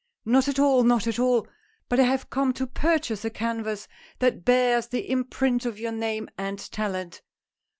" Not at all ! not at all ! But I have come to pur chase a canvas that bears the imprint of your name and talent."